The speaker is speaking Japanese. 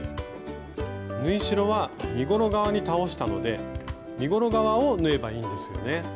縫い代は身ごろ側に倒したので身ごろ側を縫えばいいんですよね。